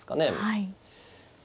はい。